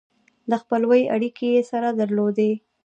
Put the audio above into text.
د خپلوۍ اړیکې یې سره درلودې.